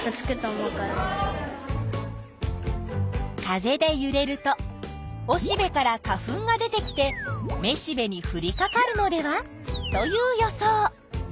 風でゆれるとおしべから花粉が出てきてめしべにふりかかるのではという予想。